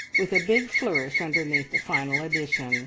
with a big flourish underneath the final addition.